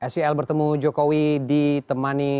sel bertemu jokowi di tempatnya